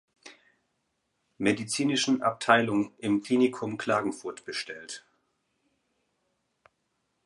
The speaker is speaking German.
Medizinischen Abteilung im Klinikum Klagenfurt bestellt.